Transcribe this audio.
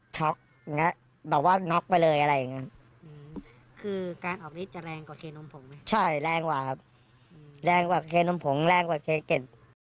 ใช่แรงกว่าครับแรงกว่าเคนมผงแรงกว่าเคเก็ด